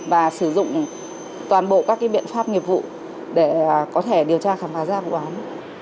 và sử dụng toàn bộ các biện pháp nghiệp vụ để có thể điều tra khám phá ra vụ án